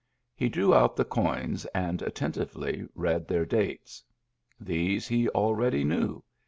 He drew out the coins and attentively read their dates. These he already knew.